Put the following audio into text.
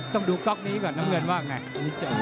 ต้องดูก๊อกนี้ก่อนน้ำเงินว่าไง